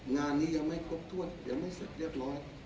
งานนี้ยังไม่ครบถ้วนยังไม่เสร็จเรียบร้อย